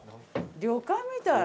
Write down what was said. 旅館みたい。